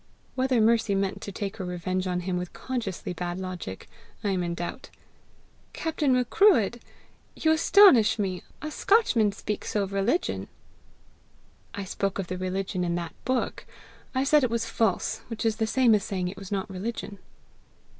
Whether Mercy meant to take her revenge on him with consciously bad logic, I am in doubt. "Captain Macruadh! you astonish me! A Scotchman speak so of religion!" "I spoke of the religion in that book. I said it was false which is the same as saying it was not religion."